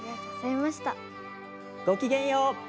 ごきげんよう！